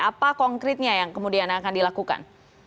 apa konkretnya yang kemudian akan dilakukan